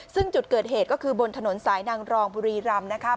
ซึ่งจุดเกิดเหตุก็คือบนถนนสายนางรองบุรีรำนะคะ